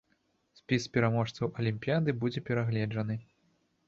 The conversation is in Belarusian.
Спіс пераможцаў алімпіяды будзе перагледжаны.